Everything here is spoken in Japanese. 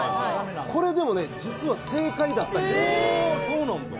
これでもね実は正解だったりするんですよ